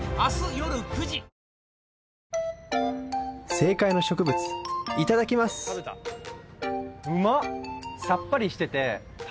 正解の植物いただきますうまっ！